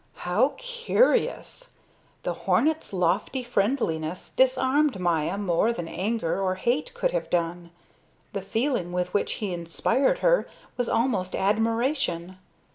How curious! The hornet's lofty friendliness disarmed Maya more than anger or hate could have done. The feeling with which he inspired her was almost admiration.